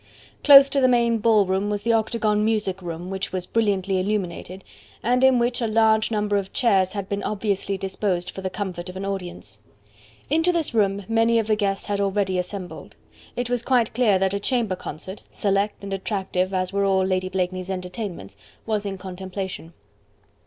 Close to the main ballroom was the octagon music room which was brilliantly illuminated, and in which a large number of chairs had been obviously disposed for the comfort of an audience. Into this room many of the guests had already assembled. It was quite clear that a chamber concert select and attractive as were all Lady Blakeney's entertainments was in contemplation.